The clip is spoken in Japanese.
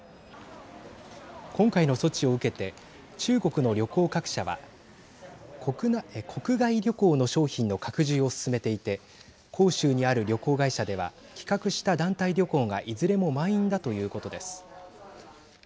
今回の措置を受けて中国の旅行各社は国外旅行の商品の拡充を進めていて広州にある旅行会社では企画した団体旅行がいずれも満員だということです。